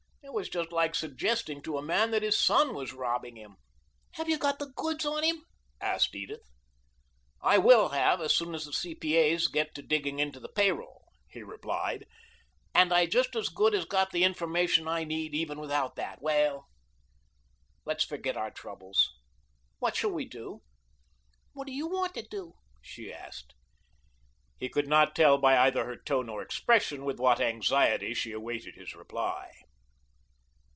It was just like suggesting to a man that his son was robbing him." "Have you got the goods on him?" asked Edith. "I will have as soon as the C.P.A.'s get to digging into the pay roll," he replied, "and I just as good as got the information I need even without that. Well, let's forget our troubles. What shall we do?" "What do you want to do?" she asked. He could not tell by either her tone or expression with what anxiety she awaited his reply.